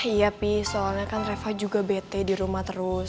iya sih soalnya kan reva juga bete di rumah terus